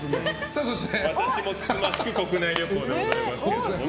そして、私も慎ましく国内旅行でございます。